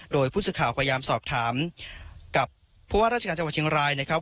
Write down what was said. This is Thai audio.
โดยผู้สื่อข่าวพยายามสอบถามกับผู้ว่าราชการจังหวัดเชียงรายนะครับ